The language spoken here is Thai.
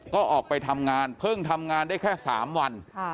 ก็ออกไปทำงานเพิ่งทำงานได้แค่๓วัน